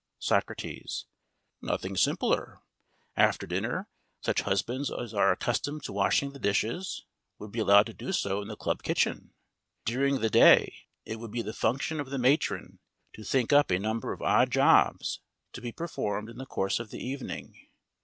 SOCRATES: Nothing simpler. After dinner such husbands as are accustomed to washing the dishes would be allowed to do so in the club kitchen. During the day it would be the function of the matron to think up a number of odd jobs to be performed in the course of the evening.